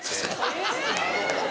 ハハハ！